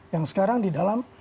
yang sekarang di dalam